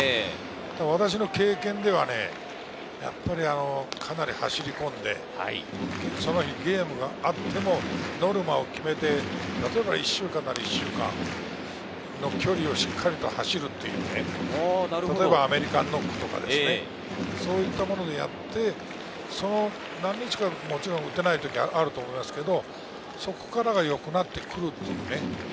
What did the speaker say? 私の経験ではやっぱりかなり走りこんで、ゲームがその日にあってもノルマを決めて、１週間なら１週間、距離をしっかり走る、例えばアメリカンノックとか、そういったものでやって、何日かもちろん打てない時はあると思いますけれど、そこからは良くなってくる。